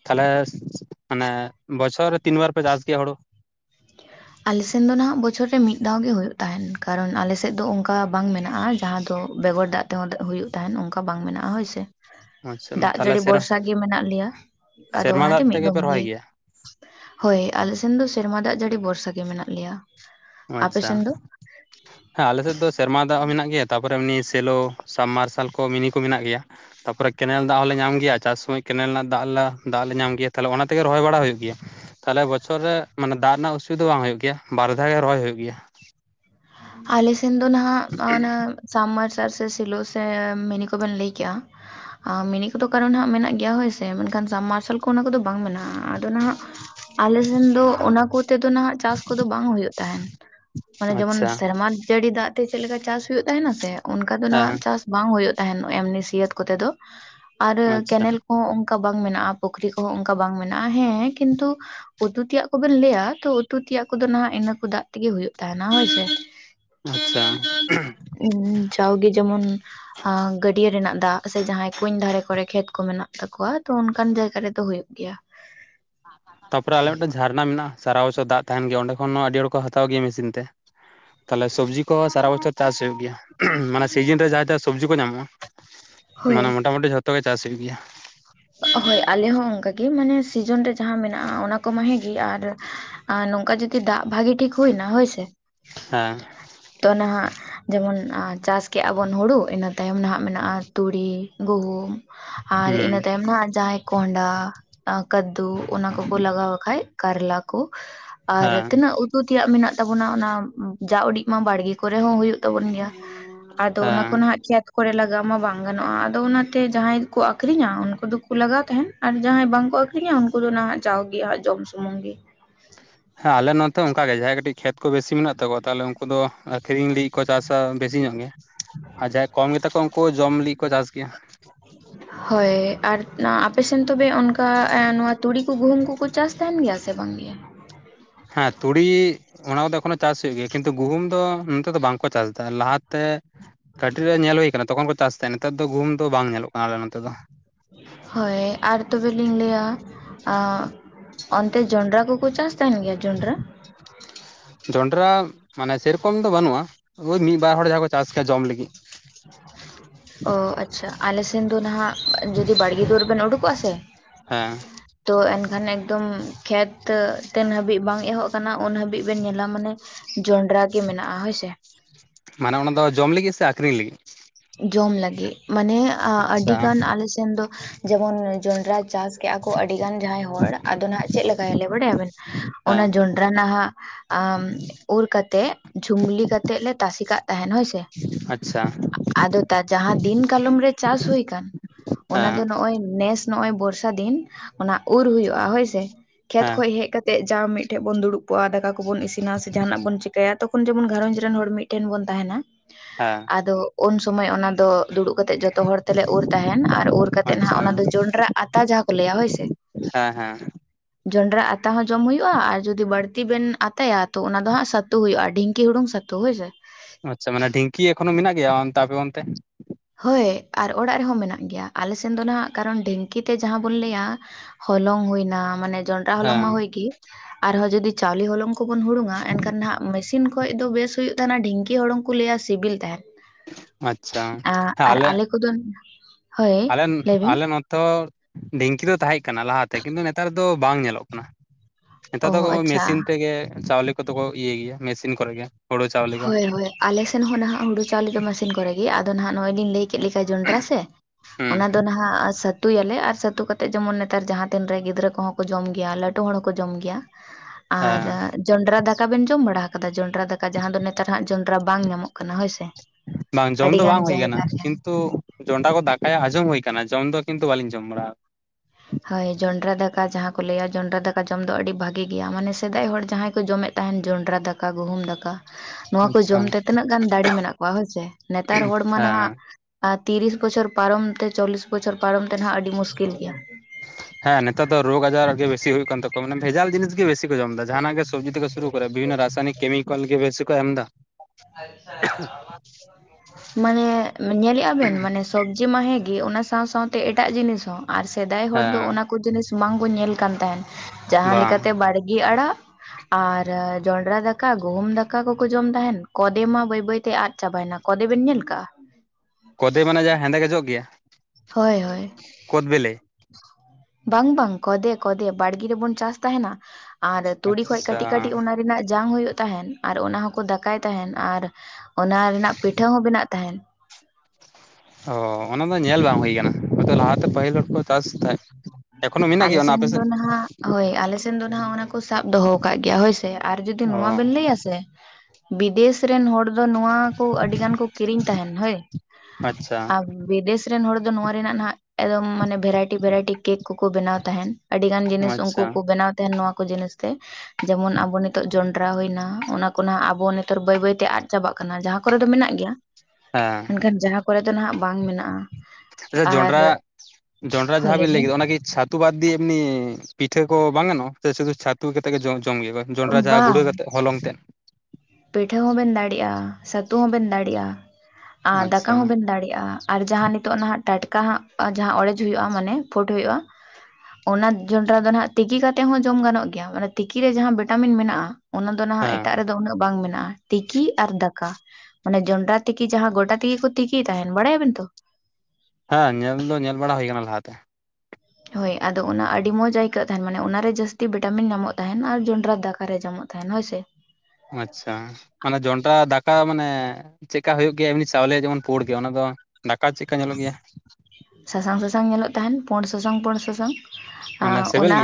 ᱛᱟᱦᱚᱞᱮ ᱢᱟᱱᱮ ᱵᱚᱪᱷᱚᱨ ᱨᱮ ᱛᱤᱱ ᱵᱟᱨ ᱯᱮ ᱪᱟᱥ ᱜᱮᱭᱟ ᱦᱩᱲᱩ᱾ ᱟᱞᱮ ᱥᱮᱱ ᱫᱚ ᱱᱟᱦᱟᱜ ᱵᱚᱪᱷᱚᱨ ᱨᱮ ᱢᱤᱫ ᱫᱷᱟᱣ ᱜᱮ ᱦᱩᱭᱩᱜ ᱛᱟᱦᱮᱸᱱ ᱠᱟᱨᱚᱱ ᱟᱞᱮ ᱥᱮᱫ ᱫᱚ ᱚᱱᱠᱟ ᱵᱟᱝ ᱢᱮᱱᱟᱜᱼᱟ᱾ ᱡᱟᱦᱟᱸ ᱫᱚ ᱵᱮᱜᱚᱨ ᱫᱟᱜ ᱛᱮᱦᱚᱸ ᱦᱩᱭᱩᱜ ᱛᱟᱦᱮᱱ ᱚᱱᱠᱟ ᱵᱟᱝ ᱢᱮᱱᱟᱜᱼᱟ ᱦᱳᱭ ᱥᱮ ᱟᱪᱪᱷᱟ ᱫᱟᱜ ᱛᱟᱦᱚᱞᱮ ᱡᱟᱹᱲᱤ ᱥᱮᱨᱢᱟ ᱵᱷᱚᱨᱥᱟ ᱜᱮ ᱢᱮᱱᱟᱜ ᱞᱮᱭᱟ ᱟᱫᱚ ᱥᱮᱨᱢᱟ ᱚᱱᱟᱛᱮ ᱫᱟᱜ ᱢᱤᱫ ᱛᱮᱜᱮ ᱫᱚᱢ ᱯᱮ ᱨᱚᱦᱚᱭ ᱜᱮ ᱜᱮᱭᱟ ᱦᱳᱭ ᱟᱞᱮ ᱥᱮᱱ ᱫᱚ ᱥᱮᱨᱢᱟ ᱫᱟᱜ ᱡᱟᱹᱲᱤ ᱵᱚᱨᱥᱟ ᱜᱮ ᱢᱮᱱᱟᱜ ᱞᱮᱭᱟ᱾ ᱟᱪᱪᱷᱟ ᱟᱯᱮᱥᱮᱱ ᱫᱚ ᱦᱮᱸ ᱟᱞᱮ ᱥᱮᱫ ᱫᱚ ᱥᱮᱨᱢᱟ ᱫᱟᱜ ᱦᱚᱸ ᱢᱮᱱᱟᱜ ᱜᱮᱭᱟ ᱛᱟᱨᱯᱚᱨᱮ ᱢᱱᱤ ᱥᱮᱞᱚ ᱥᱟᱵᱢᱟᱨᱥᱟᱞ ᱠᱚ ᱢᱤᱱᱤ ᱠᱚ ᱢᱮᱱᱟᱜ ᱜᱮᱭᱟ᱾ ᱛᱟᱨᱯᱚᱨᱮ ᱠᱮᱱᱮᱞ ᱫᱟᱜ ᱦᱚᱸᱞᱮ ᱧᱟᱢ ᱜᱮᱭᱟ ᱪᱟᱥ ᱥᱚᱢᱚᱭ ᱠᱮᱱᱮᱞ ᱨᱮᱱᱟᱜ ᱫᱟᱜ ᱫᱟᱜ ᱞᱮ ᱧᱟᱢ ᱜᱮᱭᱟ ᱛᱟᱦᱚᱞᱮ ᱚᱱᱟ ᱛᱮᱜᱮ ᱨᱚᱦᱚᱭ ᱵᱟᱲᱟ ᱦᱩᱭᱩᱜ ᱜᱮᱭᱟ᱾ ᱛᱟᱦᱚᱞᱮ ᱵᱚᱪᱷᱚᱨ ᱨᱮ ᱢᱟᱱᱮ ᱫᱟᱜ ᱨᱮᱱᱟᱜ ᱚᱥᱩᱵᱤᱫᱷᱟ ᱵᱟᱝ ᱦᱩᱭᱩᱜ ᱜᱮᱭᱟ ᱵᱟᱨ ᱫᱷᱟᱣ ᱜᱮ ᱨᱚᱦᱚᱭ ᱦᱩᱭᱩᱜ ᱜᱮᱭᱟ ᱟᱞᱮ ᱥᱮᱱ ᱫᱚ ᱱᱟᱦᱟᱜ ᱚᱱᱟ ᱥᱟᱵ ᱢᱟᱨᱟᱨᱥᱟᱞ ᱥᱮ ᱥᱮᱞᱳ ᱥᱮ ᱢᱤᱱᱤ ᱠᱚᱵᱮᱱ ᱞᱟᱹᱭ ᱠᱮᱜᱼᱟ ᱟ ᱢᱤᱱᱤ ᱠᱚᱫᱚ ᱠᱟᱨᱚᱱ ᱦᱟᱸᱜ ᱢᱮᱱᱟᱜ ᱜᱮᱭᱟ ᱦᱳᱭ ᱥᱮ ᱢᱮᱱᱠᱷᱟᱱ ᱥᱟᱵᱢ ᱢᱟᱨᱥᱟᱞ ᱠᱚ ᱚᱱᱟ ᱠᱚᱫᱚ ᱵᱟᱝ ᱢᱮᱱᱟᱜᱼᱟ ᱟᱫᱚ ᱱᱟᱦᱟᱜ ᱟᱞᱮ ᱥᱮᱱ ᱫᱚ ᱚᱱᱟ ᱠᱚᱛᱮ ᱫᱚ ᱱᱟᱦᱟᱜ ᱪᱟᱥ ᱠᱚᱫᱚ ᱵᱟᱝ ᱦᱩᱭᱩᱜ ᱛᱟᱦᱮᱸᱱ᱾ ᱢᱟᱱᱮ ᱡᱮᱢᱚᱱ ᱟᱪᱪᱷᱟ ᱥᱮᱨᱢᱟ ᱡᱟᱹᱲᱤ ᱫᱟᱜ ᱛᱮ ᱪᱮᱫ ᱞᱮᱠᱟ ᱪᱟᱥ ᱦᱩᱭᱩᱜ ᱛᱟᱦᱮᱱᱟ ᱥᱮ ᱚᱱᱠᱟ ᱫᱚ ᱚᱱᱟ ᱦᱮᱸ ᱪᱟᱥ ᱵᱟᱝ ᱦᱩᱭᱩᱜ ᱛᱟᱦᱮᱱ ᱮᱢᱱᱤ ᱥᱤᱭᱟᱹᱛ ᱠᱚᱛᱮ ᱫᱚ ᱟᱨ ᱟᱪᱪᱷᱟ ᱠᱮᱱᱮᱞ ᱠᱚᱦᱚᱸ ᱚᱱᱠᱟ ᱵᱟᱝ ᱢᱮᱱᱟᱜᱼᱟ ᱯᱩᱠᱷᱨᱤ ᱠᱚᱦᱚᱸ ᱚᱱᱠᱟ ᱵᱟᱝ ᱢᱮᱱᱟᱜᱼᱟ ᱦᱮᱸ ᱠᱤᱱᱛᱩ ᱩᱛᱩ ᱛᱮᱭᱟᱜ ᱠᱚᱵᱮᱱ ᱞᱟᱹᱭᱟ ᱛᱚ ᱩᱛᱩ ᱛᱮᱭᱟᱜ ᱠᱚᱫᱚ ᱱᱟᱦᱟᱜ ᱤᱱᱟᱹ ᱠᱚ ᱫᱟᱜ ᱛᱮᱜᱮ ᱦᱩᱭᱩᱜ ᱛᱟᱦᱮᱱᱟ ᱦᱳᱭᱥᱮ ᱟᱪᱪᱷᱟ ᱩᱸ ᱡᱟᱣᱜᱮ ᱡᱮᱢᱚᱱ ᱟ ᱜᱟᱹᱰᱭᱟᱹ ᱨᱮᱱᱟᱜ ᱫᱟᱜ ᱥᱮ ᱡᱟᱦᱟᱸᱭ ᱠᱩᱸᱧ ᱫᱷᱟᱨᱮ ᱠᱚᱨᱮ ᱠᱷᱮᱛ ᱠᱚ ᱢᱮᱱᱟᱜ ᱛᱟᱠᱚᱣᱟ ᱛᱚ ᱚᱱᱠᱟᱱ ᱡᱟᱭᱜᱟ ᱨᱮᱫᱚ ᱦᱩᱭᱩᱜ ᱜᱮᱭᱟ᱾ [inaudible] ᱛᱟᱯᱚᱨᱮ ᱟᱞᱮ ᱢᱤᱫᱴᱮᱱ ᱡᱷᱟᱨᱱᱟ ᱢᱮᱱᱟᱜᱼᱟ ᱥᱟᱨᱟ ᱵᱚᱪᱷᱚᱨ ᱫᱟᱜ ᱛᱟᱦᱮᱱ ᱜᱮᱭᱟ ᱚᱸᱰᱮ ᱠᱷᱚᱱ ᱦᱚᱸ ᱟᱹᱰᱤ ᱦᱚᱲ ᱠᱚ ᱦᱟᱛᱟᱣ ᱜᱮᱭᱟ ᱢᱮᱥᱤᱱ ᱛᱮ ᱛᱟᱦᱞᱮ ᱥᱚᱵᱽᱡᱤ ᱠᱚ ᱥᱟᱨᱟ ᱵᱚᱪᱷᱚᱨ ᱪᱟᱥ ᱦᱩᱭᱩᱜ ᱜᱮᱭᱟ ᱢᱟᱱᱮ ᱥᱤᱡᱤᱱ ᱨᱮ ᱡᱟᱦᱟᱸ ᱛᱤᱱ ᱥᱚᱵᱽᱡᱤ ᱠᱚ ᱧᱟᱢᱚᱜᱼᱟ᱾ ᱦᱳᱭ ᱢᱟᱱᱮ ᱢᱚᱴᱟᱢᱩᱴᱤ ᱡᱷᱚᱛᱚ ᱜᱮ ᱪᱟᱥ ᱦᱩᱭᱩᱜ ᱜᱮᱭᱟ᱾ ᱦᱳᱭ ᱟᱞᱮ ᱦᱚᱸ ᱚᱱᱠᱟᱜᱮ ᱢᱟᱱᱮ ᱥᱤᱡᱚᱱ ᱨᱮ ᱡᱟᱦᱟᱸ ᱢᱮᱱᱟᱜᱼᱟ ᱚᱱᱟ ᱠᱚᱢᱟ ᱦᱮᱸᱜ ᱜᱮ ᱟᱨ ᱟᱨ ᱱᱚᱝᱠᱟ ᱡᱩᱫᱤ ᱫᱟᱜ ᱵᱷᱟᱜᱤ ᱴᱷᱤᱠ ᱦᱩᱭᱱᱟ ᱦᱳᱭᱥᱮ ᱦᱮᱸ ᱛᱚ ᱱᱟᱦᱟᱜ ᱡᱮᱢᱚᱱ ᱪᱟᱥ ᱠᱮᱜᱼᱟ ᱵᱚᱱ ᱦᱩᱲᱩ ᱤᱱᱟᱹ ᱛᱟᱭᱚᱢ ᱱᱟᱦᱟᱜ ᱢᱮᱱᱟᱜᱼᱟ ᱛᱩᱲᱤ ᱜᱩᱦᱩᱢ ᱟᱨ ᱦᱩᱸ ᱤᱱᱟᱹ ᱛᱟᱭᱚᱢ ᱡᱟᱦᱟᱸᱭ ᱠᱚᱸᱰᱟ ᱠᱟᱫᱽᱫᱩ ᱚᱱᱟ ᱠᱚᱠᱚ ᱞᱟᱜᱟᱣᱠᱟᱱᱡ ᱠᱟᱨᱞᱟ ᱠᱚ ᱟᱨ ᱦᱮᱸ ᱛᱤᱱᱟᱹᱜ ᱩᱛᱩ ᱛᱮᱭᱟᱜ ᱢᱮᱱᱟᱜ ᱛᱟᱵᱚᱱᱟ ᱚᱱᱟ ᱡᱟ ᱩᱰᱤᱜ ᱢᱟ ᱵᱟᱲᱜᱮ ᱠᱚᱨᱮ ᱦᱚᱸ ᱦᱩᱭᱩᱜ᱾ ᱛᱚᱵᱚᱱ ᱜᱮᱭᱟ, ᱟᱫᱚ ᱚᱱᱟ ᱠᱚ ᱦᱮᱸ ᱱᱮᱭᱟᱜ ᱠᱷᱮᱛ ᱠᱚᱨᱮ ᱞᱟᱜᱟᱣ ᱢᱟ ᱵᱟᱝ ᱜᱟᱱᱚᱜᱼᱟ᱾ ᱟᱫᱚ ᱚᱱᱟᱛᱮ ᱡᱟᱦᱟᱸᱭ ᱠᱚ ᱟᱠᱷᱨᱤᱧᱟ ᱩᱱᱠᱩ ᱫᱚᱠᱚ ᱞᱟᱜᱟᱣ ᱛᱟᱦᱮᱱ ᱟᱨ ᱡᱟᱦᱟᱸᱭ ᱵᱟᱝᱠᱚ ᱟᱹᱠᱷᱨᱤᱧᱟ ᱩᱱᱠᱩ ᱫᱚ ᱱᱟᱦᱟᱜ ᱡᱟᱣᱜᱮ ᱦᱟᱸᱜ ᱡᱚᱢ ᱥᱩᱢᱩᱝ ᱜᱮ᱾ ᱦᱮᱸ ᱟᱞᱮ ᱱᱚᱛᱮ ᱚᱱᱠᱟᱜ ᱜᱮ᱾ ᱡᱟᱦᱟᱸᱭ ᱠᱟᱹᱴᱤᱡ ᱠᱷᱮᱛ ᱠᱚ ᱵᱮᱥᱤ ᱢᱮᱱᱟᱜ ᱛᱟᱠᱚᱣᱟ ᱛᱟᱦᱚᱞᱮ ᱩᱱᱠᱩ ᱫᱚ ᱟᱹᱠᱷᱨᱤᱧ ᱞᱟᱹᱜᱤᱫ ᱠᱚ ᱪᱟᱥᱟ ᱵᱮᱥᱤ ᱧᱚᱜ ᱜᱮ᱾ ᱟᱨ ᱡᱟᱦᱟᱸᱭ ᱠᱚᱢ ᱜᱮᱛᱟ ᱠᱚ ᱩᱱᱠᱩ ᱡᱚᱢ ᱞᱟᱹᱜᱤᱫ ᱠᱚ ᱪᱟᱥ ᱜᱮᱭᱟ᱾ [inaudible] ᱦᱳᱭ ᱟᱨ ᱟᱯᱮᱥᱮᱱ ᱛᱚᱵᱮ ᱚᱱᱠᱟ ᱱᱚᱣᱟ ᱛᱩᱲᱤ ᱠᱚ ᱜᱩᱦᱩᱢ ᱠᱚᱠᱚ ᱪᱟᱥ ᱛᱟᱦᱮᱱ ᱜᱮᱭᱟ ᱥᱮ ᱵᱟᱝ ᱜᱮ? ᱦᱮᱸ ᱛᱩᱲᱤ ᱚᱱᱟ ᱠᱚᱫᱚ ᱮᱠᱷᱚᱱᱚ ᱪᱟᱥ ᱦᱩᱭᱩᱜ ᱜᱮᱭᱟ᱾ ᱠᱤᱱᱛᱩ ᱜᱩᱦᱩᱢ ᱫᱚ ᱱᱚᱛᱮ ᱫᱚ ᱵᱟᱝᱠᱚ ᱪᱟᱥ ᱮᱫᱟ, ᱞᱟᱦᱟᱛᱮ ᱠᱟᱹᱴᱤᱡ ᱨᱮ ᱧᱮᱞ ᱦᱩᱭᱭᱟᱱᱟ ᱛᱚᱠᱷᱚᱱ ᱠᱚ ᱪᱟᱥ ᱛᱟᱦᱮᱸᱫ᱾ ᱱᱮᱛᱟᱨ ᱫᱚ ᱜᱩᱦᱩᱢ ᱫᱚ ᱵᱟᱝ ᱧᱮᱞᱚᱜ ᱠᱟᱱᱟ᱾ ᱟᱞᱮ ᱱᱚᱛᱮ ᱫᱚ᱾ ᱦᱳᱭ ᱟᱨ ᱛᱚᱵᱮᱞᱤᱧ ᱞᱟᱹᱭᱟ ᱟᱜ ᱚᱱᱛᱮ ᱡᱚᱸᱰᱨᱟ ᱠᱚᱠᱚ ᱪᱟᱥ ᱛᱟᱦᱮᱱ ᱜᱮᱭᱟ ᱡᱚᱸᱰᱨᱟ ᱡᱚᱸᱰᱨᱟ ᱢᱟᱱᱮ ᱥᱮᱨᱚᱠᱚᱢ ᱫᱚ ᱵᱟᱹᱱᱩᱜᱼᱟ᱾ ᱳᱭ ᱢᱤᱫ ᱵᱟᱨ ᱦᱚᱲ ᱡᱟᱦᱟᱸ ᱠᱚ ᱪᱟᱥ ᱠᱭᱟ ᱡᱚᱢ ᱞᱟᱹᱜᱤᱫ᱾ ᱚ ᱟᱪᱪᱷᱟ᱾ᱟᱞᱮ ᱥᱮᱱ ᱫᱚ ᱱᱟᱦᱟᱜ ᱡᱩᱫᱤ ᱵᱟᱲᱜᱮ ᱫᱩᱣᱟᱹᱨ ᱵᱮᱱ ᱩᱰᱩᱠᱚᱜᱼᱟ ᱥᱮ ᱦᱮᱸ ᱛᱚ ᱮᱱᱠᱷᱟᱱ ᱮᱠᱫᱚᱢ ᱠᱷᱮᱛ ᱛᱤᱱ ᱦᱟᱹᱵᱤᱡ ᱵᱟᱝ ᱮᱦᱚᱵ ᱟᱠᱟᱱᱟ ᱩᱱ ᱦᱟᱹᱵᱤᱡ ᱵᱮᱱ ᱧᱮᱞᱟ ᱢᱟᱱᱮ ᱡᱚᱸᱰᱨᱟ ᱜᱮ ᱢᱮᱱᱟᱜᱼᱟ᱾ᱦᱳᱭ ᱥᱮ ᱢᱟᱱᱮ ᱚᱱᱟ ᱫᱚ ᱡᱚᱢ ᱞᱟᱹᱜᱤᱫ ᱥᱮ ᱟᱠᱷᱨᱤᱧ ᱞᱟᱹᱜᱤᱫ? ᱡᱚᱢ ᱞᱟᱹᱜᱤᱫ᱾ ᱢᱟᱱᱮ ᱟᱹᱰᱤ ᱟᱪᱪᱷᱟ ᱜᱟᱱ ᱟᱞᱮ ᱥᱮᱱ ᱫᱚ ᱡᱮᱢᱚᱱ ᱡᱚᱸᱰᱨᱟ ᱪᱟᱥ ᱠᱮᱜᱼᱟ ᱠᱚ ᱟᱹᱰᱤ ᱜᱟᱱ᱾ᱡᱟᱦᱟᱸᱭ ᱦᱚᱲ ᱟᱫᱚ ᱱᱟᱦᱟᱜ ᱪᱮᱫ ᱞᱮᱠᱟᱭᱟᱞᱮ ᱵᱟᱰᱟᱭᱟᱵᱮᱱ ᱚᱱᱟ ᱦᱮᱸ ᱡᱚᱸᱰᱨᱟ ᱱᱟᱦᱟᱜ ᱟ ᱩᱨ ᱠᱟ ᱠᱟᱛᱮᱫ ᱡᱷᱩᱢᱞᱤ ᱠᱟᱛᱮᱜ ᱞᱮ ᱛᱟᱥᱮ ᱠᱟᱜ ᱛᱟᱦᱮᱱ ᱦᱳᱭᱥᱮ ᱟᱪᱪᱷᱟ᱾ ᱟᱫᱚ ᱡᱟᱦᱟᱸ ᱫᱤᱱ ᱠᱟᱞᱚᱢ ᱨᱮ ᱪᱟᱥ ᱦᱩᱭ ᱟᱠᱟᱱ᱾ ᱚᱱᱟ ᱫᱚ ᱦᱮᱸ ᱱᱚᱜᱼᱚᱭ ᱱᱮᱥ ᱱᱚᱜᱼᱚᱭ ᱵᱚᱨᱥᱟ ᱫᱤᱱ ᱚᱱᱟ ᱩᱨ ᱦᱩᱭᱩᱜᱼᱟ ᱦᱮᱸ ᱥᱮ ᱠᱷᱮᱛ ᱦᱮᱸ ᱠᱷᱚᱭ ᱦᱮᱡ ᱠᱟᱛᱮ ᱪᱮᱫ ᱡᱟ ᱢᱤᱫ ᱴᱷᱮᱱ ᱵᱚᱱ ᱫᱩᱲᱩᱵ ᱠᱚᱜᱼᱟ, ᱫᱟᱠᱟ ᱠᱚᱵᱚᱱ ᱤᱥᱤᱱᱟ ᱥᱮ ᱡᱟᱦᱟᱱᱟᱜ ᱵᱚᱱ ᱪᱤᱠᱟᱹᱭᱟ ᱛᱚ ᱩᱱ ᱡᱮᱢᱚᱱ ᱜᱷᱟᱨᱚᱸᱧᱡᱽ ᱨᱮᱱ ᱦᱚᱲ ᱢᱤᱫ ᱴᱷᱮᱱ ᱵᱚᱱ ᱛᱟᱦᱮᱱᱟ ᱦᱮᱸ ᱟᱫᱚ ᱩᱱ ᱥᱚᱢᱟᱹᱭ ᱚᱱᱟ ᱫᱚ ᱫᱩᱲᱩᱵ ᱠᱟᱛᱮᱜ ᱡᱚᱛᱚ ᱦᱚᱲ ᱛᱮᱞᱮ ᱩᱨ ᱛᱟᱦᱮᱱ ᱟᱨ ᱩᱨ ᱠᱟᱛᱮᱫ ᱱᱟᱦᱟᱜ ᱟᱪᱪᱷᱟ ᱚᱱᱟ ᱫᱚ ᱡᱚᱸᱰᱨᱟ ᱟᱛᱟ ᱡᱟᱦᱟᱸ ᱠᱚ ᱞᱟᱹᱭᱟ ᱦᱳᱭ ᱥᱮ ᱦᱮᱸ ᱦᱮᱸ ᱡᱚᱸᱰᱨᱟ ᱟᱛᱟ ᱦᱚᱸ ᱡᱚᱢ ᱦᱩᱭᱩᱜᱼᱟ ᱟᱨ ᱡᱩᱫᱤ ᱵᱟᱹᱲᱛᱤ ᱵᱮᱱ ᱟᱛᱟᱭᱟ ᱛᱚ ᱚᱱᱟ ᱫᱚ ᱦᱟᱸᱜ ᱥᱟᱹᱛᱩ ᱦᱩᱭᱩᱜᱼᱟ᱾ᱰᱷᱤᱝᱠᱤ ᱦᱩᱲᱩᱝ ᱪᱷᱟ ᱛᱩ ᱦᱚᱭ ᱥᱮ ᱟᱪᱪᱷᱟ᱾ ᱢᱟᱱᱮ ᱰᱷᱤᱝᱠᱤ ᱮᱠᱷᱚᱱᱳ ᱢᱮᱱᱟᱜ ᱜᱮᱭᱟ ᱚᱱᱛᱮ ᱟᱯᱮ ᱚᱱᱛᱮ ᱦᱳᱭ ᱟᱨ ᱚᱲᱟᱜ ᱨᱮᱦᱚᱸ ᱢᱮᱱᱟᱜ ᱜᱮᱭᱟ᱾ ᱟᱞᱮ ᱥᱮᱱ ᱫᱚ ᱱᱟᱦᱟᱜ ᱠᱟᱨᱚᱱ ᱰᱷᱤᱝᱠᱤᱛᱮ ᱡᱟᱦᱟᱸ ᱵᱚᱱ ᱞᱟᱹᱭᱟ ᱦᱚᱞᱚᱝ ᱦᱩᱭᱱᱟ ᱢᱟᱱᱮ ᱡᱚᱱ ᱴᱟ ᱦᱚᱞᱚᱝ ᱢᱟ ᱦᱮᱸ ᱦᱩᱭ ᱜᱮ ᱟᱨᱦᱚᱸ ᱡᱩᱫᱤ ᱪᱟᱣᱞᱮ ᱦᱚᱞᱚᱝ ᱠᱚ ᱵᱚᱱ ᱦᱩᱲᱩᱝ-ᱟ ᱮᱱᱠᱷᱟᱱ ᱱᱟᱦᱟᱜ ᱢᱮᱥᱤᱱ ᱤᱥᱤᱱ ᱠᱷᱚᱡ ᱫᱚ ᱵᱮᱥ ᱦᱩᱭᱩᱜ ᱛᱟᱦᱮᱱᱟ ᱰᱷᱤᱝᱠᱤ ᱦᱚᱞᱚᱝ ᱠᱚ ᱞᱟᱹᱭᱟ ᱥᱤᱵᱤᱞ ᱛᱟᱦᱮᱱ ᱟᱪᱪᱷᱟ ᱮ ᱟᱨ ᱟᱞᱮ ᱠᱚᱫᱚ ᱦᱳᱭ ᱟᱞᱮᱱ ᱞᱟᱹᱭ ᱵᱤᱱ ᱟᱞᱮ ᱱᱚᱛᱮ ᱦᱚᱹ ᱰᱷᱤᱝᱠᱤ ᱫᱚ ᱛᱟᱦᱮᱸ ᱠᱟᱱᱟ ᱞᱟᱦᱟ ᱛᱮ ᱠᱤᱱᱛᱩ ᱱᱮᱛᱟᱨ ᱫᱚ ᱵᱟᱝ ᱧᱮᱞᱚᱜ ᱠᱟᱱᱟ᱾ ᱱᱮᱛᱟᱨ ᱚ ᱫᱚ ᱟᱪᱪᱷᱟ ᱢᱮᱥᱤᱱ ᱛᱮᱜᱮ ᱪᱟᱣᱞᱮ ᱠᱚᱫᱚ ᱠᱚ ᱤᱭᱟᱹᱭ ᱜᱮᱭᱟ ᱢᱮᱥᱤᱱ ᱠᱚᱨᱮ ᱜᱮ᱾ ᱦᱳᱲᱳ ᱪᱟᱣᱞᱮ ᱠᱚ ᱦᱳᱭ ᱦᱳᱭ ᱟᱞᱮᱥᱮᱱ ᱦᱚᱸ ᱱᱟᱦᱟᱜ ᱦᱩᱲᱩ ᱪᱟᱣᱞᱮ ᱫᱚ ᱢᱮᱥᱤᱱ ᱠᱚ ᱨᱮ ᱜᱮ ᱾ᱟᱫᱚ ᱱᱟᱦᱟᱜ ᱱᱚᱜᱼᱚᱭ ᱞᱤᱧ ᱞᱟᱹᱭ ᱪᱮᱫ ᱞᱮᱠᱟ ᱡᱚᱸᱰᱨᱟ ᱥᱮ ᱦᱩᱸ ᱚᱱᱟ ᱫᱚ ᱱᱟᱦᱟᱜ ᱪᱷᱟ ᱛᱩ ᱭᱟᱞᱮ ᱟᱨ ᱪᱟᱹᱛᱩ ᱠᱟᱛᱮᱫ ᱡᱮᱢᱚᱱ ᱱᱮᱛᱟᱨ ᱡᱟᱦᱟᱸ ᱛᱤᱱ ᱨᱮ ᱜᱤᱫᱽᱨᱟᱹ ᱠᱚᱦᱚᱸ ᱠᱚ ᱡᱚᱢ ᱜᱮᱭᱟ᱾ ᱞᱟᱹᱴᱩ ᱦᱚᱲ ᱦᱚᱸᱠᱚ ᱡᱚᱢ ᱜᱮᱭᱟ᱾ ᱟᱨ ᱦᱮᱸ ᱡᱚᱸᱰᱨᱟ ᱫᱟᱠᱟ ᱵᱮᱱ ᱡᱚᱢ ᱵᱟᱲᱟ ᱠᱟᱫᱟ ᱡᱚᱸᱰᱨᱟ ᱡᱟᱦᱟᱸ ᱫᱚ ᱱᱮᱛᱟᱨ ᱦᱟᱸᱜ ᱡᱚᱱᱰᱨᱟ ᱵᱟᱝ ᱧᱟᱢᱚᱜ ᱠᱟᱱᱟ᱾ ᱦᱳᱭ ᱥᱮ ᱟᱹᱰᱤ ᱜᱟᱱ ᱡᱟᱭᱜᱟ ᱨᱮ ᱛᱩ ᱡᱚᱸᱱᱰᱟ ᱠᱚ ᱫᱟᱠᱟᱭᱟ, ᱟᱸᱡᱚᱢ ᱦᱩᱭ ᱟᱠᱟᱱᱟ᱾ ᱡᱚᱢ ᱫᱚ ᱠᱤᱱᱛᱩ ᱵᱟᱞᱤᱧ ᱡᱚᱢ ᱵᱟᱲᱟ ᱦᱳᱭ ᱡᱚᱱᱰᱨᱟ ᱫᱟᱠᱟ ᱡᱟᱦᱟᱸ ᱠᱚ ᱞᱟᱹᱭᱟ ᱡᱚᱱᱰᱨᱟ ᱫᱟᱠᱟ ᱡᱚᱢ ᱫᱚ ᱟᱹᱰᱤ ᱵᱷᱟᱹᱜᱤ ᱜᱮᱭᱟ ᱢᱟᱱᱮ ᱥᱮᱫᱟᱭ ᱦᱚᱲ ᱡᱟᱦᱟᱸᱭ ᱠᱚ ᱡᱚᱢᱮᱫ ᱛᱟᱦᱮᱱ ᱡᱚᱱᱰᱨᱟ ᱫᱟᱠᱟ ᱜᱩᱦᱩᱢ ᱫᱟᱠᱟ ᱱᱚᱶᱟ ᱟᱠᱟᱫᱟ᱾ ᱠᱚ ᱟᱪᱪᱷᱟ ᱡᱚᱢ ᱦᱮᱸ ᱛᱮ ᱛᱤᱱᱟᱹᱜ ᱜᱟᱱ ᱫᱟᱲᱮ ᱢᱮᱱᱟᱜ ᱠᱚᱣᱟ ᱦᱳᱭᱥᱮ ᱱᱮᱛᱟᱨ ᱦᱚᱲ ᱢᱟ ᱱᱟᱦᱟᱜ ᱟᱨ ᱛᱤᱨᱤᱥ ᱵᱚᱪᱷᱚᱨ ᱯᱟᱨᱚᱢ ᱛᱮ ᱪᱚᱞᱤᱥ ᱵᱚᱪᱷᱚᱨ ᱯᱟᱨᱚᱢ ᱛᱮ ᱱᱟᱦᱟᱜ ᱟᱹᱰᱤ ᱢᱩᱥᱠᱤᱞ ᱜᱮᱭᱟ ᱦᱮᱸ ᱱᱮᱛᱟᱨ ᱫᱚ ᱨᱳᱜᱽ ᱟᱡᱟᱨ ᱜᱮ ᱵᱮᱥᱤ ᱦᱩᱭᱩᱜ ᱠᱟᱱ ᱛᱟᱠᱚᱣᱟ ᱢᱟᱱᱮ ᱵᱷᱮᱡᱟᱞ ᱡᱤᱱᱤᱥ ᱜᱮ ᱵᱮᱥᱤ ᱡᱚᱢ ᱮᱫᱟ ᱡᱟᱦᱟᱱᱟᱜ ᱜᱮ ᱥᱚᱵᱽᱡᱤ ᱛᱷᱮᱠᱮ ᱥᱩᱨᱩ ᱠᱚᱨᱮ ᱵᱤᱵᱷᱤᱱᱚ ᱨᱟᱥᱟᱭᱚᱱᱤᱠ ᱠᱮᱢᱤᱠᱮᱞ ᱜᱮ ᱵᱮᱥᱤ ᱠᱚ ᱮᱢ ᱮᱫᱟ᱾ ᱟᱪᱪᱷᱟ [inaudible] ᱢᱟᱱᱮ ᱧᱮᱞᱮᱫᱼᱟ ᱵᱮᱱ ᱢᱟᱱᱮ ᱥᱚᱵᱽᱡᱤ ᱢᱟ ᱦᱮᱸᱜᱮ ᱚᱱᱟ ᱥᱟᱶ ᱥᱟᱶᱛᱮ ᱮᱴᱟᱜ ᱡᱤᱱᱤᱥ ᱦᱚᱸ ᱟᱨ ᱥᱮᱫᱟᱭ ᱦᱚᱲ ᱫᱚ ᱦᱮᱸ ᱚᱱᱟ ᱠᱚ ᱡᱤᱱᱤᱥ ᱵᱟᱝ ᱵᱚᱱ ᱧᱮᱞ ᱠᱟᱱ ᱛᱟᱦᱮᱱ ᱡᱟᱦᱟᱸ ᱵᱟᱝ ᱞᱮᱠᱟᱛᱮ ᱵᱟᱲᱜᱮ ᱟᱲᱟᱜ ᱟᱨ ᱡᱚᱱᱰᱨᱟ ᱫᱟᱠᱟ ᱜᱩᱦᱩᱢ ᱫᱟᱠᱟ ᱠᱚᱠᱚ ᱡᱚᱢ ᱛᱟᱦᱮᱱ ᱠᱚᱫᱮ ᱢᱟ ᱵᱟᱹᱭ ᱵᱟᱹᱭ ᱛᱮ ᱟᱫ ᱪᱟᱵᱟᱭ ᱮᱱᱟ ᱠᱚᱫᱮ ᱵᱮᱱ ᱧᱮᱞ ᱠᱟᱜᱼᱟ ᱠᱚᱫᱮ ᱢᱟᱱᱮ ᱡᱟ ᱦᱮᱸᱫᱮ ᱜᱮ ᱡᱚᱜ ᱜᱮᱭᱟ᱾ ᱦᱳᱭ ᱦᱳᱭ ᱠᱚᱫ ᱵᱮᱞᱮ ᱵᱟᱝ ᱵᱟᱝ ᱠᱚᱫᱮ ᱠᱚᱫᱮ ᱵᱟᱲᱜᱮ ᱨᱮᱵᱚᱱ ᱪᱟᱥ ᱛᱟᱦᱮᱱᱟ᱾ ᱟᱨ ᱛᱩᱲᱤ ᱠᱷᱚᱡ ᱟᱪᱪᱷᱟ ᱠᱟᱹᱴᱤᱡ ᱠᱟᱹᱴᱤᱡ ᱚᱱᱟ ᱨᱮᱱᱟᱜ ᱡᱟᱝ ᱦᱩᱭᱩᱜ ᱛᱟᱦᱮᱱ ᱟᱨ ᱚᱱᱟ ᱦᱚᱸᱠᱚ ᱫᱟᱠᱟᱭ ᱛᱟᱦᱮᱱ ᱟᱨ ᱚᱱᱟ ᱨᱮᱱᱟᱜ ᱯᱤᱴᱷᱟᱹ ᱦᱚᱸ ᱵᱮᱱᱟᱜ ᱛᱟᱦᱮᱱ ᱚ ᱚᱱᱟ ᱫᱚ ᱧᱮᱞ ᱵᱟᱝ ᱦᱩᱭ ᱟᱠᱟᱱᱟ ᱦᱚᱭᱛᱚ ᱞᱟᱦᱟᱛᱮ ᱯᱟᱹᱦᱤᱞ ᱦᱚᱲ ᱪᱟᱥ ᱛᱟᱦᱮᱡ ᱮᱠᱷᱚᱱᱳ ᱢᱮᱱᱟᱜ ᱟᱞᱮ ᱜᱮᱭᱟ ᱚᱱᱟ ᱥᱮᱱ ᱟᱯᱮ ᱫᱚ ᱥᱮᱫ? ᱱᱟᱦᱟᱜ ᱦᱳᱭ ᱟᱞᱮ ᱥᱮᱱ ᱫᱚ ᱱᱟᱦᱟᱜ ᱚᱱᱟ ᱠᱚ ᱥᱟᱵ ᱫᱚᱦᱚ ᱠᱟᱜ ᱜᱮᱭᱟ ᱦᱳᱭᱥᱮ ᱟᱨ ᱡᱩᱚᱫᱤ ᱚ ᱱᱚᱣᱟ ᱵᱮᱱ ᱞᱟᱹᱭᱟ ᱥᱮ ᱵᱤᱫᱮᱥ ᱨᱮᱱ ᱦᱚᱲ ᱫᱚ ᱱᱚᱣᱟ ᱠᱚ ᱟᱹᱰᱤ ᱜᱟᱱ ᱠᱚ ᱠᱤᱨᱤᱧ ᱛᱟᱦᱮᱱ ᱦᱳᱭ ᱟᱪᱪᱷᱟ ᱵᱤᱫᱮᱥ ᱨᱮᱱ ᱦᱚᱲ ᱫᱚ ᱱᱚᱶᱟ ᱨᱮᱱᱟᱜ ᱱᱟᱦᱟᱜ ᱮᱠᱫᱚᱢ ᱢᱟᱱᱮ ᱵᱷᱮᱨᱟᱭᱴᱤ ᱵᱷᱮᱨᱟᱭᱴᱤ ᱠᱮᱠ ᱠᱚᱠᱚ ᱵᱮᱱᱟᱣ ᱛᱟᱦᱮᱱ ᱟᱹᱰᱤ ᱜᱟᱱ ᱡᱤᱱᱤᱥ ᱩᱱᱠᱩ ᱟᱪᱪᱷᱟ ᱠᱚ ᱵᱮᱱᱟᱣ ᱛᱟᱦᱮᱱ ᱱᱚᱣᱟ ᱠᱚ ᱡᱤᱱᱤᱥ ᱛᱮ ᱡᱮᱢᱚᱱ ᱟᱵᱚ ᱱᱤᱛᱚᱜ ᱡᱚᱸᱰᱨᱟ ᱦᱩᱭᱱᱟ ᱚᱱᱟ ᱠᱚ ᱱᱟ ᱟᱵᱚ ᱱᱤᱛᱚᱜ ᱵᱟᱹᱭ ᱵᱟᱹᱭᱛᱮ ᱟᱫ ᱪᱟᱵᱟᱜ ᱠᱟᱱᱟ ᱡᱟᱦᱟᱸ ᱠᱚᱨᱮ ᱫᱚ ᱢᱮᱱᱟᱜ ᱜᱮᱭᱟ ᱾ ᱦᱮᱸ ᱢᱮᱱᱠᱷᱟᱱ ᱡᱟᱦᱟᱸ ᱠᱚᱨᱮ ᱫᱚ ᱱᱟᱜ ᱵᱟᱝ ᱢᱮᱱᱟᱜᱼᱟ ᱾ ᱟᱪᱪᱷᱟ ᱾ ᱡᱚᱸᱰᱨᱟ ᱡᱚᱸᱰᱨᱟ ᱦᱳᱭ ᱡᱟᱦᱟᱸ ᱵᱤᱱ ᱞᱟᱹᱭ ᱵᱮᱱ ᱠᱮᱫᱟ ᱚᱱᱟᱠᱤ ᱪᱷᱟ ᱩᱛᱩ ᱵᱟᱫ ᱫᱤᱭᱮ ᱮᱢᱱᱤ ᱯᱤᱴᱷᱟᱹ ᱠᱚ ᱵᱟᱝ ᱜᱟᱱᱚᱜᱼᱟ ᱥᱮ ᱥᱩᱫᱩ ᱪᱷᱟᱹᱛᱩ ᱠᱟᱛᱮ ᱜᱮ ᱡᱚᱢ ᱜᱮ ᱠᱚ ᱡᱚᱸᱰᱨᱟ ᱡᱟᱦᱟᱸ ᱵᱟᱝ ᱜᱩᱲᱟᱹ ᱠᱟᱛᱮ ᱾ ᱦᱚᱞᱚᱝ ᱛᱮᱫ ᱾ ᱯᱤᱴᱷᱟᱹ ᱦᱚᱸᱵᱮᱱ ᱫᱟᱲᱮᱜᱼᱟ ᱪᱷᱟᱹᱛᱩ ᱦᱚᱸᱵᱮᱱ ᱫᱟᱲᱮᱜᱼᱟ ᱟᱨ ᱫᱟᱠᱟ ᱟᱪᱪᱷᱟ ᱦᱚᱸᱵᱮᱱ ᱫᱟᱲᱮᱜᱼᱟ ᱾ ᱟᱨ ᱡᱟᱦᱟᱸ ᱱᱤᱛᱚᱜ ᱱᱟᱦᱜ ᱴᱟᱴᱠᱟ ᱦᱟᱸᱜ ᱡᱟᱦᱟᱸ ᱚᱲᱮᱡ ᱦᱩᱭᱩᱜᱼᱟ ᱢᱟᱱᱮ ᱯᱷᱳᱴ ᱦᱩᱭᱩᱜᱼᱟ ᱚᱱᱟ ᱡᱚᱸᱰᱨᱟ ᱫᱚ ᱱᱟᱜ ᱛᱤᱠᱤ ᱠᱟᱛᱮ ᱦᱚᱸ ᱡᱚᱢ ᱜᱟᱱᱚᱜ ᱜᱮᱭᱟ ᱚᱱᱟ ᱛᱤᱠᱤ ᱡᱟᱦᱟᱸ ᱵᱷᱤᱴᱟᱢᱤᱱ ᱢᱮᱱᱟᱜᱼᱟ ᱚᱱᱟ ᱫᱚ ᱱᱟᱦᱜ ᱦᱮᱸ ᱮᱴᱟᱜ ᱨᱮᱫᱚ ᱩᱱᱟᱹᱜ ᱵᱟᱝ ᱢᱮᱱᱟᱜᱼᱟ ᱛᱤᱠᱤ ᱟᱨ ᱫᱟᱠᱟ ᱢᱟᱱᱮ ᱡᱚᱱᱰᱨᱟ ᱛᱤᱠᱤ ᱡᱟᱦᱟᱸ ᱜᱚᱴᱟ ᱛᱮᱜᱮ ᱠᱚ ᱛᱤᱠᱤᱭ ᱛᱟᱦᱮᱱ ᱵᱟᱲᱟᱭᱟ ᱵᱮᱱ ᱛᱚ ᱦᱮᱸ ᱧᱮᱞ ᱫᱚ ᱧᱮᱞ ᱵᱟᱲᱟ ᱦᱩᱭ ᱟᱠᱟᱱᱟ ᱞᱟᱦᱟ ᱛᱮ ᱦᱳᱭ ᱟᱫᱚ ᱚᱱᱟ ᱟᱹᱰᱤ ᱢᱚᱡᱽ ᱟᱹᱭᱠᱟᱹᱜ ᱛᱟᱦᱮᱱ ᱢᱟᱱᱮ ᱚᱱᱟ ᱨᱮ ᱡᱟᱹᱥᱛᱤ ᱵᱷᱤᱴᱟᱢᱤᱱ ᱧᱟᱢᱚᱜ ᱛᱟᱦᱮᱱ ᱟᱨ ᱡᱚᱸᱰᱨᱟ ᱫᱟᱠᱟ ᱨᱮ ᱧᱟᱢᱚᱜ ᱛᱟᱦᱮᱱ ᱦᱳᱭ ᱥᱮ ᱟᱪᱪᱷᱟ ᱾ ᱢᱟᱱᱮ ᱡᱚᱱᱰᱨᱟ ᱫᱟᱠᱟ ᱢᱟᱱᱮ ᱪᱮᱫᱠᱟ ᱦᱩᱭᱩᱜ ᱜᱮᱭᱟ ᱮᱢᱱᱤ ᱪᱟᱣᱞᱮ ᱡᱮᱢᱚᱱ ᱯᱩᱲ ᱜᱮᱭᱟ ᱚᱱᱟ ᱫᱚ ᱫᱟᱠᱟ ᱪᱮᱼᱠᱟ ᱧᱮᱞᱚᱜ ᱜᱮᱭᱟ? ᱥᱟᱥᱟᱝ ᱥᱟᱥᱟᱝ ᱧᱮᱞᱚᱜ ᱛᱟᱦᱮᱱ ᱯᱩᱲ ᱥᱟᱥᱟᱝ ᱯᱩᱲ ᱥᱟᱥᱟᱝ ᱢᱟᱱᱮ ᱥᱤᱵᱤᱞ ᱚᱱᱟ ᱜᱮᱭᱟ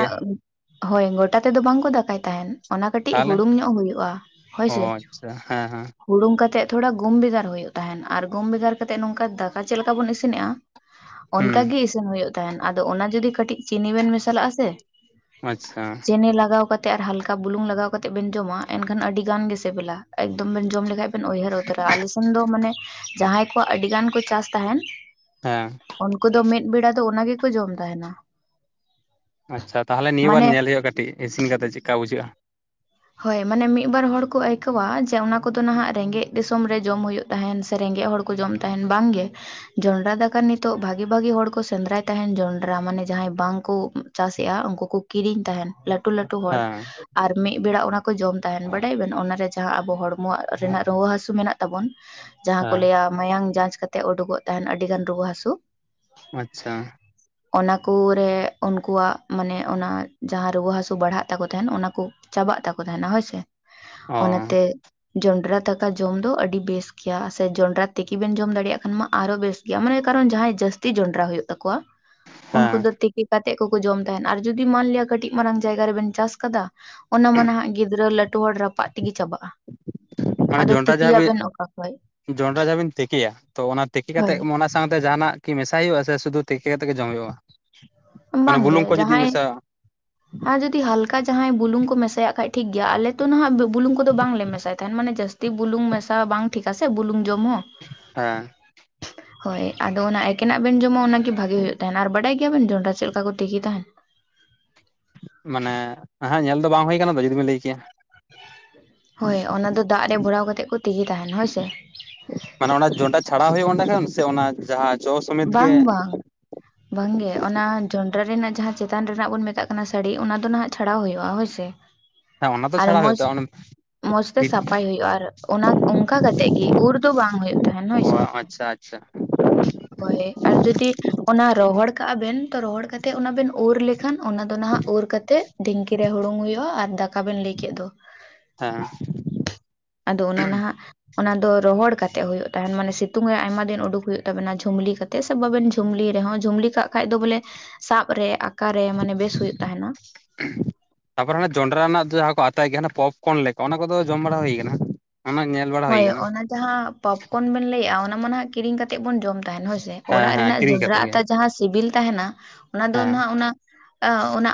ᱦᱳᱭ ᱜᱚᱴᱟ ᱛᱮᱫᱚ ᱵᱟᱝᱠᱚ ᱫᱟᱠᱟᱭ ᱛᱟᱦᱮᱱ ᱚᱱᱟ ᱠᱟᱹᱴᱤᱡ ᱛᱟᱦᱚᱞᱮ ᱦᱩᱲᱩᱝ ᱧᱚᱜ ᱦᱩᱭᱩᱜᱳᱼᱟ ᱾ ᱦᱳᱭ ᱚ ᱥᱮ ᱾ ᱦᱮᱸ ᱟᱪᱪᱷᱟ ᱦᱮᱸ ᱾ ᱦᱩᱲᱩᱝ ᱠᱟᱛᱮ ᱛᱷᱚᱲᱟ ᱜᱩᱢ ᱵᱷᱮᱜᱟᱨ ᱦᱩᱭᱩᱜ ᱛᱟᱦᱮᱱ ᱟᱨ ᱜᱩᱢ ᱵᱷᱮᱜᱟᱨ ᱠᱟᱛᱮᱫ ᱱᱚᱝᱠᱟ ᱫᱟᱠᱟ ᱪᱮᱫ ᱞᱮᱠᱟ ᱵᱚᱱ ᱤᱥᱤᱱᱮᱜᱼᱟ᱾ ᱦᱩᱸ ᱚᱱᱠᱟᱜᱤ ᱤᱥᱤᱱ ᱦᱩᱭᱩᱜ ᱛᱟᱦᱮᱱ ᱟᱫᱚ ᱚᱱᱟ ᱡᱩᱫᱤ ᱠᱟᱹᱴᱤᱡ ᱪᱤᱱᱤ ᱵᱮᱱ ᱢᱮᱥᱟᱞᱟᱜᱼᱟ ᱥᱮ ᱟᱪᱪᱷᱟ ᱪᱤᱱᱤ ᱞᱟᱜᱟᱣ ᱠᱟᱛᱮ ᱟᱨ ᱦᱟᱞᱠᱟ ᱵᱩᱞᱩᱝ ᱞᱟᱜᱟᱣ ᱠᱟᱛᱮ ᱵᱮᱱ ᱡᱚᱢᱟ ᱮᱱᱠᱷᱟᱱ ᱟᱹᱰᱤ ᱜᱟᱱ ᱜᱮ ᱥᱤᱵᱤᱞᱟ ᱮᱠᱫᱚᱢ ᱵᱮᱱ ᱡᱚᱢ ᱞᱮᱠᱷᱟᱱ ᱩᱭᱦᱟᱹᱨ ᱩᱛᱟᱹᱨᱟ ᱟᱞᱮ ᱥᱮᱱ ᱫᱚ ᱢᱟᱱᱮ ᱡᱟᱦᱟᱸᱭ ᱠᱚᱣᱟᱜ ᱟᱹᱰᱤ ᱜᱟᱱ ᱠᱚ ᱪᱟᱥ ᱛᱟᱦᱮᱱ ᱦᱮᱸ ᱩᱱᱠᱩ ᱫᱚ ᱢᱤᱫ ᱵᱮᱲᱟ ᱫᱚ ᱚᱱᱟ ᱜᱮᱠᱚ ᱡᱚᱢ ᱛᱟᱦᱮᱱᱟ ᱾ ᱟᱪᱪᱷᱟ ᱾ ᱛᱟᱦᱚᱞᱮ ᱱᱤᱭᱟᱹ ᱵᱟᱨ ᱧᱮᱞ ᱦᱩᱭᱩᱜᱼᱟ ᱠᱟᱹᱴᱤᱡ ᱤᱥᱤᱱ ᱠᱟᱛᱮ ᱪᱮᱼᱠᱟ ᱵᱩᱡᱷᱟᱹᱜᱼᱟ? ᱦᱳᱭ ᱢᱟᱱᱮ ᱢᱤᱫ ᱵᱟᱨ ᱦᱚᱲ ᱠᱚ ᱟᱹᱭᱠᱟᱹᱣᱟ ᱡᱮ ᱚᱱᱟ ᱠᱚᱫᱚ ᱱᱟᱦᱜ ᱨᱮᱸᱜᱮᱡ ᱫᱤᱥᱚᱢ ᱨᱮ ᱡᱚᱢ ᱦᱩᱭᱩᱜ ᱠᱟᱱᱟ ᱾ ᱛᱟᱦᱮᱱ ᱥᱮ ᱨᱮᱸᱜᱮᱡ ᱦᱚᱲ ᱠᱚ ᱡᱚᱢ ᱛᱟᱦᱮᱱ ᱵᱟᱝ ᱜᱮ᱾ ᱡᱚᱸᱰᱨᱟ ᱫᱟᱠᱟ ᱱᱤᱛᱚᱜ ᱵᱷᱟᱹᱜᱤ ᱵᱷᱟᱜᱤ ᱦᱚᱲ ᱠᱚ ᱥᱮᱸᱫᱽᱨᱟᱭ ᱛᱟᱦᱮᱱ ᱡᱚᱸᱰᱨᱟ ᱢᱟᱱᱮ ᱡᱟᱦᱟᱸᱭ ᱵᱟᱝ ᱠᱚ ᱪᱟᱥᱮᱫᱼᱟ ᱩᱱᱠᱩ ᱠᱚ ᱠᱤᱨᱤᱧ ᱛᱟᱦᱮᱱ ᱞᱟᱴᱩ ᱞᱟᱹᱴᱩ ᱦᱚᱲ ᱦᱮᱸ ᱟᱨ ᱢᱤᱫ ᱢᱤᱫ ᱵᱮᱲᱟ ᱚᱱᱟ ᱠᱚ ᱡᱚᱢ ᱛᱟᱦᱮᱱ ᱵᱟᱲᱟᱭ ᱟᱵᱮᱱ ᱚᱱᱟᱨᱮ ᱡᱟᱦᱟᱸ ᱟᱵᱚ ᱦᱚᱲᱢᱚ ᱨᱮᱱᱟᱜ ᱨᱩᱣᱟᱹ ᱦᱟᱹᱥᱩ ᱢᱮᱱᱟᱜ ᱛᱟᱵᱚᱱ ᱡᱟᱦᱟᱸ ᱠᱚ ᱦᱮᱸ ᱞᱟᱹᱭᱟ ᱢᱟᱭᱟᱝ ᱡᱟᱸᱪ ᱠᱟᱛᱮᱫ ᱩᱰᱩᱠᱚᱜ ᱛᱟᱦᱮᱱ ᱟᱹᱰᱤ ᱜᱟᱱ ᱨᱩᱣᱟᱹ ᱦᱟᱹᱥᱩ ᱟᱪᱪᱷᱟ ᱾ [inaudible] ᱚᱱᱟ ᱠᱚ ᱨᱮ ᱩᱱᱠᱩᱣᱟᱜ ᱢᱟᱱᱮ ᱚᱱᱟ ᱡᱟᱦᱟᱸ ᱨᱩᱣᱟᱹ ᱦᱟᱹᱥᱩ ᱵᱟᱲᱦᱟᱜ ᱛᱟᱠᱚ ᱛᱟᱦᱮᱱ ᱚᱱᱟ ᱠᱚ ᱪᱟᱵᱟᱜ ᱛᱟᱠᱚ ᱛᱟᱦᱮᱱᱟ ᱦᱳᱭ ᱥᱮ ᱚ ᱚᱱᱟᱛᱮ ᱡᱚᱱᱰᱨᱟ ᱫᱟᱠᱟ ᱡᱚᱢ ᱫᱚ ᱟᱹᱰᱤ ᱵᱮᱥ ᱜᱮᱭᱟ ᱾ ᱥᱮ ᱡᱚᱸᱰᱨᱟ ᱛᱤᱠᱤ ᱵᱮᱱ ᱡᱚᱢ ᱫᱟᱲᱮᱭᱟᱜ ᱠᱷᱟᱱ ᱢᱟ ᱟᱨᱚ ᱵᱮᱥ ᱾ ᱜᱮᱭᱟ ᱢᱟᱱᱮ ᱠᱟᱨᱚᱱ ᱡᱟᱦᱟᱸᱭ ᱡᱟᱹᱥᱛᱤ ᱡᱚᱸᱰᱨᱟ ᱦᱩᱭᱩᱜ ᱛᱟᱠᱚᱣᱟ ᱩᱱᱠᱩ ᱦᱮᱸ ᱫᱚ ᱠᱟᱛᱮ ᱠᱚᱠᱚ ᱡᱚᱢ ᱛᱟᱦᱮᱱ ᱟᱨ ᱡᱩᱫᱤ ᱢᱟᱱᱞᱤᱭᱟ ᱠᱟᱹᱴᱤᱡ ᱢᱟᱨᱟᱝ ᱡᱟᱭᱜᱟ ᱨᱮᱵᱮᱱ ᱪᱟᱥ ᱟᱠᱟᱫᱟ ᱚᱱᱟ ᱢᱟ ᱱᱟᱦᱜ ᱜᱤᱫᱽᱨᱟᱹ ᱞᱟᱹᱴᱩ ᱦᱚᱲ ᱨᱟᱯᱟᱜ ᱛᱮᱜᱮ ᱪᱟᱵᱟᱜᱼᱟ ᱾ ᱢᱟᱱᱮ ᱡᱚᱸᱰᱨᱟ ᱡᱟᱦᱟᱸ ᱵᱤᱱ ᱡᱚᱸᱰᱨᱟ ᱡᱟᱦᱟᱸ ᱵᱤᱱ ᱛᱤᱠᱤᱭᱟ ᱛᱚ ᱚᱱᱟ ᱛᱤᱠᱤ ᱦᱳᱭ ᱠᱟᱛᱮᱫ ᱚᱱᱟ ᱥᱟᱶᱛᱮ ᱡᱟᱦᱟᱱᱟᱜ ᱠᱤ ᱢᱮᱥᱟᱭ ᱦᱩᱭᱩᱜᱼᱟ ᱥᱮ ᱥᱩᱫᱩ ᱛᱤᱠᱤ ᱠᱟᱛᱮ ᱜᱮ ᱡᱚᱢ ᱦᱩᱭᱩᱜᱼᱟ ᱢᱟᱱᱮ ᱵᱟᱝᱜᱮ ᱵᱩᱞᱩᱝ ᱠᱚ ᱡᱩᱫᱤ ᱡᱟᱦᱟᱸᱭ ᱢᱮᱥᱟᱼᱟ [inaudible] ᱟᱨ ᱡᱩᱫᱤ ᱦᱟᱞᱠᱟ ᱡᱟᱦᱟᱸᱭ ᱵᱩᱞᱩᱝ ᱠᱚ ᱢᱮᱥᱟᱭᱟᱜ ᱠᱷᱟᱡ ᱴᱷᱤᱠ ᱜᱮᱭᱟ ᱟᱞᱮ ᱛᱚ ᱱᱟᱦᱜ ᱵᱩᱞᱝ ᱫᱚ ᱵᱟᱝ ᱞᱮ ᱢᱮᱥᱟᱭ ᱛᱟᱦᱮᱱ ᱢᱟᱱᱮ ᱡᱟᱹᱥᱛᱤ ᱛᱚ ᱵᱩᱞᱩᱝ ᱢᱮᱥᱟ ᱵᱟᱝ ᱴᱷᱤᱠᱟ ᱥᱮ ᱵᱩᱞᱩᱝ ᱡᱚᱢ ᱦᱚᱸ ᱦᱮᱸ᱾ ᱦᱳᱭ ᱟᱫᱚ ᱚᱱᱟ ᱮᱠᱮᱱᱟᱜ ᱵᱮᱱ ᱡᱚᱢᱟ ᱚᱱᱟ ᱜᱮ ᱵᱷᱟᱜᱤ ᱦᱩᱭᱩᱜ ᱛᱟᱦᱮᱱᱟ ᱟᱨ ᱵᱟᱰᱟᱭ ᱜᱮᱭᱟᱵᱮᱱ ᱡᱚᱸᱰᱨᱟ ᱪᱮᱫ ᱞᱮᱠᱟ ᱠᱚ ᱛᱤᱠᱤ ᱛᱟᱦᱮᱱ? ᱢᱟᱱᱮ ᱦᱮᱸ ᱧᱮᱞ ᱫᱚ ᱵᱟᱝ ᱦᱩᱭ ᱠᱟᱱᱟ ᱡᱩᱫᱤ ᱵᱮᱱ ᱞᱟᱹᱭ ᱠᱮᱭᱟ ᱾ ᱦᱳᱭ ᱚᱱᱟ ᱫᱚ ᱫᱟᱜ ᱨᱮ ᱵᱷᱚᱨᱟᱣ ᱠᱟᱛᱮ ᱠᱚ ᱛᱤᱠᱤ ᱛᱟᱦᱮᱱᱟ ᱦᱳᱭᱥᱮ ᱢᱟᱱᱮ ᱚᱱᱟ ᱡᱚᱸᱰᱨᱟ ᱪᱷᱟᱲᱟᱣ ᱦᱩᱭᱩᱜ ᱚᱸᱰᱮ ᱠᱷᱚᱱ ᱥᱮ ᱚᱱᱟ ᱡᱟᱦᱟᱸ ᱡᱚ ᱥᱚᱢᱮᱛ ᱜᱮ ᱵᱟᱝ ᱵᱟᱝ ᱵᱟᱝ ᱜᱮᱮ ᱚᱱᱟ ᱡᱚᱱᱰᱨᱟ ᱨᱮᱱᱟᱜ ᱡᱟᱦᱟᱸ ᱪᱮᱛᱟᱱ ᱨᱮᱱᱟᱜ ᱵᱚᱱ ᱢᱮᱛᱟᱜ ᱠᱟᱱᱟ ᱥᱟᱹᱲᱤ ᱚᱱᱟ ᱫᱚ ᱱᱟᱦᱜ ᱪᱷᱟᱲᱟᱣ ᱦᱩᱭᱩᱜᱼᱟ ᱦᱳᱭᱥᱮ [inaudible] ᱦᱮᱸ ᱚᱱᱟ ᱛᱚ ᱟᱨ ᱪᱷᱟᱲᱟ ᱦᱩᱭᱩᱜ ᱛᱚ ᱢᱚᱸᱡᱽ ᱢᱚᱸᱡᱽ ᱛᱮ ᱵᱷᱤᱛ ᱥᱟᱯᱷᱟᱭ ᱦᱩᱭᱩᱜᱼᱟ ᱟᱨ ᱚᱱᱟ ᱚᱱᱠᱟ ᱠᱟᱛᱮᱜ ᱜᱮ ᱩᱨ ᱫᱚ ᱵᱟᱝ ᱦᱳᱭᱳᱜ ᱛᱟᱦᱮᱸᱱ ᱦᱳᱭ ᱠᱚ ᱥᱮ ᱟᱪᱪᱷᱟ ᱟᱪᱪᱷᱟ ᱦᱚᱭ ᱟᱨ ᱡᱩᱫᱤ ᱚᱱᱟ ᱨᱚᱦᱚᱲ ᱠᱟᱜᱼᱟ ᱵᱮᱱ ᱛᱚ ᱨᱚᱦᱚᱲ ᱠᱟᱛᱮᱫ ᱚᱱᱟ ᱵᱮᱱ ᱩᱨ ᱞᱮᱠᱷᱟᱱ ᱚᱱᱟ ᱫᱚ ᱱᱟᱦᱟᱜ ᱩᱨ ᱠᱟᱛᱮᱜ ᱰᱷᱤᱝᱠᱤ ᱨᱮ ᱦᱩᱲᱩᱝ ᱦᱩᱭᱩᱜᱼᱟ ᱟᱨ ᱫᱟᱠᱟ ᱵᱮᱱ ᱞᱟᱹᱭ ᱠᱮᱫ ᱫᱚ ᱦᱮᱸ ᱟᱫᱚ ᱚᱱᱟ ᱱᱟᱦᱟᱜ ᱚᱱᱟ ᱫᱚ ᱨᱚᱦᱚᱲ ᱠᱟᱛᱮᱜ ᱦᱩᱭᱩᱜ ᱛᱟᱦᱮᱱ ᱢᱟᱱᱮ ᱥᱤᱛᱩᱝ ᱟᱭ ᱟᱭᱢᱟ ᱫᱤᱱ ᱩᱰᱩᱝ ᱦᱩᱭᱩᱜ ᱛᱟᱵᱚᱱᱟ ᱡᱷᱩᱢᱞᱤ ᱠᱟᱛᱮᱜ [unintelligible] ᱥᱮ ᱵᱟᱵᱮᱱ ᱡᱷᱩᱢᱞᱤ ᱨᱮᱦᱚᱸ ᱡᱷᱩᱢᱞᱤ ᱠᱟᱜ ᱠᱷᱟᱱᱡ ᱫᱚ ᱵᱚᱞᱮ ᱥᱟᱵ ᱨᱮ ᱟᱠᱟ ᱨᱮ ᱢᱟᱱᱮ ᱵᱮᱥ ᱦᱩᱭᱩᱜ ᱛᱟᱦᱮ ᱱᱟ [inaudible] ᱛᱟᱯᱚᱨ [unintelligible] ᱡᱚᱱ ᱰᱟᱨᱟ ᱨᱮᱱᱟᱜ ᱡᱟᱦᱟᱸ ᱠᱚ ᱟᱛᱟᱭ ᱜᱮᱭᱟ ᱯᱚᱯ ᱯᱚᱱ ᱞᱮᱠᱟ ᱚᱱᱟ ᱠᱚᱫᱚ ᱡᱚᱢ ᱵᱟᱲᱟ ᱦᱩᱭ ᱠᱟᱱᱟ ᱚᱱᱟ ᱧᱮᱞ ᱵᱟᱲᱟ ᱦᱩᱭ ᱦᱳᱭ ᱠᱟᱱᱟ ᱚᱱᱟ ᱡᱟᱦᱟᱸ ᱯᱚᱯ ᱯᱚᱱ ᱵᱮᱱ ᱞᱟᱹᱭ ᱮᱜ -ᱟ ᱚᱱᱟ ᱢᱟ ᱦᱟᱜ ᱠᱤᱨᱤᱧ ᱠᱟᱛᱮ ᱵᱚᱱ ᱡᱚᱢ [unintelligible] ᱦᱳᱭᱥᱮ ᱦᱮᱸ ᱚᱲᱟᱜ ᱦᱮᱸ ᱨᱮᱱᱟᱜ ᱠᱤᱨᱤᱧ ᱡᱚᱱᱰᱟᱨᱟ ᱠᱟᱛᱮᱜ ᱜᱮ ᱟᱛᱟ ᱡᱟᱦᱟᱸ ᱥᱤᱵᱤᱞ ᱛᱟᱦᱮᱱᱟ ᱚᱱᱟ ᱫᱚ ᱦᱮᱸ ᱱᱟᱦᱟᱜ ᱚᱱᱟ [unintelligible] ᱚᱱᱟ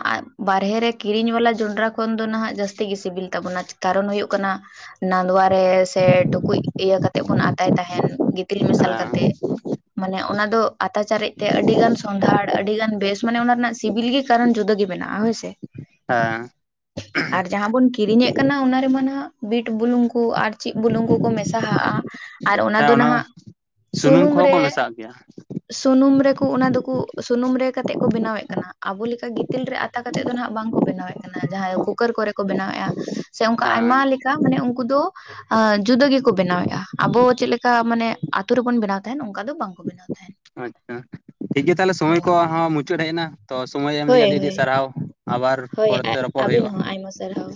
ᱵᱟᱨᱦᱮ ᱨᱮ ᱠᱤᱨᱤᱧ ᱵᱟᱞᱟ ᱡᱚᱱᱰᱟᱨᱟ ᱠᱷᱚᱱ ᱫᱚ ᱱᱟᱦᱟᱜ ᱡᱟᱹᱥᱛᱤ ᱜᱮ ᱥᱤᱵᱤᱞ ᱛᱟᱵᱚᱱᱟ ᱠᱟᱨᱚᱱ ᱦᱩᱭᱩᱜ ᱠᱟᱱᱟ ᱱᱟᱰᱟᱣᱟ ᱨᱮ ᱥᱮ ᱴᱩᱠᱩᱡ ᱤᱭᱟᱹ ᱠᱟᱛᱮᱜ ᱵᱚᱱ ᱟᱛᱟᱭ ᱛᱟᱦᱮᱱ ᱜᱤᱛᱤᱞ ᱢᱮᱥᱟᱞ ᱦᱮᱸ ᱠᱟᱛᱮ ᱢᱟᱱᱮ ᱚᱱᱟ ᱫᱚ ᱟᱛᱟ ᱪᱟᱨᱮᱡ ᱛᱮ ᱟᱹᱰᱤ ᱜᱟᱱ ᱥᱚᱸᱫᱷᱟᱲ ᱟᱹᱰᱤ ᱜᱟᱱ ᱵᱮᱥ ᱢᱟᱱᱮ ᱚᱱᱟ ᱨᱮᱱᱟᱜ ᱥᱤᱵᱤᱞ ᱜᱮ ᱠᱟᱨᱚᱱ ᱡᱩᱫᱟᱹ ᱜᱮ ᱢᱮᱱᱟᱜᱼᱟ ᱦᱳᱭ ᱥᱮ ᱦᱮᱸ ᱡᱟᱦᱟᱸ ᱵᱚᱱ ᱠᱤᱨᱤᱧ ᱮᱫ ᱠᱟᱱᱟ ᱚᱱᱟ ᱨᱮᱢᱟ ᱟᱜ ᱵᱤᱴ ᱵᱩᱞᱩᱝ ᱠᱚ ᱟᱨ ᱪᱮᱫ ᱵᱩᱞᱩᱝ ᱠᱚᱠᱚ ᱢᱮᱥᱟ ᱦᱟᱜᱼᱟ ᱟᱨ ᱚᱱᱟ ᱫᱚ ᱱᱟᱦᱟᱜ ᱥᱩᱱᱩᱢ ᱠᱚᱦᱚᱸ ᱠᱚ ᱨᱮ ᱢᱮᱥᱟᱜ ᱜᱮᱭᱟ ᱥᱩᱱᱩᱢ ᱨᱮᱠᱩ ᱚᱱᱟ ᱫᱚᱠᱩ ᱥᱩᱱᱩᱢ ᱨᱮ ᱠᱟᱛᱮᱫ ᱠᱚ ᱵᱮᱱᱟᱣ ᱮᱫ ᱠᱟᱱᱟ ᱟᱵᱚ ᱞᱮᱠᱟ ᱜᱤᱫ ᱜᱤᱛᱤᱞ ᱨᱮ ᱟᱛᱟ ᱠᱟᱛᱮᱫ ᱫᱚ ᱟᱜ ᱵᱟᱝ ᱠᱚ ᱵᱮᱱᱟᱣᱮᱫ ᱠᱟᱱᱟ ᱡᱟᱦᱟᱸᱭ ᱠᱩᱠᱟᱨ ᱠᱚᱨᱮ ᱠᱚ ᱵᱮᱱᱟᱣᱮᱫᱼᱟ ᱥᱮ ᱚᱱᱠᱟ ᱟᱭᱢᱟ ᱦᱮᱸ ᱞᱮᱠ ᱟᱱᱟᱜ ᱢᱟᱱᱮ ᱩᱱᱠᱩ ᱫᱚ ᱡᱩᱫᱟᱹ ᱜᱮᱠᱚ ᱵᱮᱱᱟᱣᱮᱫᱼᱟ ᱟᱵᱚ ᱪᱮᱫ ᱞᱮᱠᱟ ᱢᱟᱱᱮ ᱟᱛᱳ ᱨᱮᱵᱚᱱ ᱵᱮᱱᱟᱣ ᱛᱟᱦᱮᱱ ᱚᱱᱠᱟ ᱫᱚ ᱵᱟᱝ ᱠᱚ ᱵᱮᱱᱟᱣ ᱛᱟᱦᱮᱱ ᱟᱪᱪᱷᱟ ᱴᱷᱤᱠ ᱜᱮᱭᱟ ᱛᱟᱦᱚᱞᱮ ᱥᱚᱢᱚᱭ ᱦᱳᱭ ᱠᱚᱦᱚᱸ ᱢᱩᱪᱟᱹᱫ ᱦᱮᱡ ᱮᱱᱟ ᱛᱚ ᱥᱚᱢᱳᱚᱭ ᱮᱢ ᱞᱟᱹᱜᱤᱫ ᱦᱳᱭ ᱟᱹᱰᱤ ᱟᱹᱰᱤ ᱦᱳᱭ ᱥᱟᱨᱦᱟᱣ ᱟᱵᱟᱨ ᱦᱳᱭ ᱯᱚᱨᱮ ᱛᱮ ᱨᱚᱯᱚᱲ ᱟᱹᱵᱤᱱ ᱦᱳᱭᱳᱜᱼᱟ ᱦᱚᱸ ᱟᱭᱢᱟ ᱥᱟᱨᱦᱟᱣ